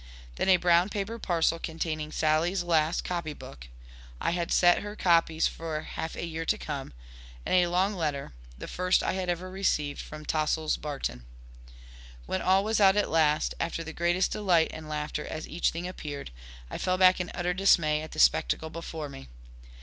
Then a brown paper parcel containing Sally's last copy book (I had set her copies for half a year to come) and a long letter, the first I had ever received from Tossil's Barton. When all was out at last, after the greatest delight and laughter as each thing appeared, I fell back in utter dismay at the spectacle before me.